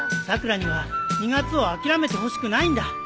さくらには２月を諦めてほしくないんだ。